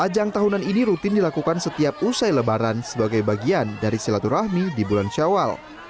ajang tahunan ini rutin dilakukan setiap usai lebaran sebagai bagian dari silaturahmi di bulan syawal